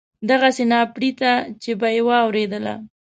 دغسې ناپړېته چې به یې واورېدله.